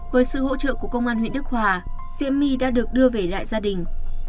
với sự hỗ trợ của công an huyện đức hòa sĩ my đã được đưa về lại gia đình